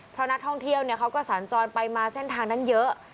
เพราะนักท่องเที่ยวเขาก็สัญจรไปมาเส้นทางนั้นเยอะ